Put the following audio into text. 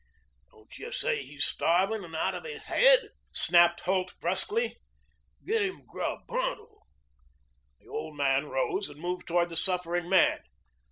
"Don't you see he's starving and out of his head?" snapped Holt brusquely. "Get him grub, pronto." The old man rose and moved toward the suffering man.